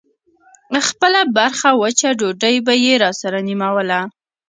خپله برخه وچه ډوډۍ به يې راسره نيموله.